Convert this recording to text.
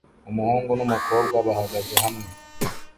Umuhungu n'umukobwa bahagaze hamwe